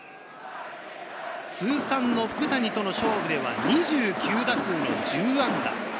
通算の福谷との勝負では２９打数１０安打。